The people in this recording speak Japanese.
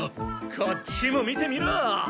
こっちも見てみろ！